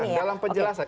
masukkan dalam penjelasan